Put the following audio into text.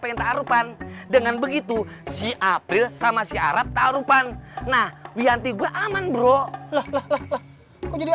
ada taruhan dengan begitu si april sama si arab taruhan nah wianti gua aman bro loh kok jadi